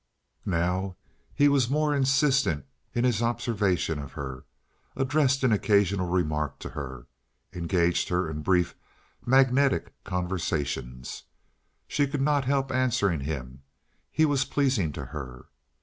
Now he was more insistent in his observation of her—addressed an occasional remark to her—engaged her in brief, magnetic conversations. She could not help answering him—he was pleasing to her.